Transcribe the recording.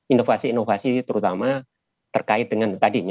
inovasi inovasi terutama terkait dengan tadi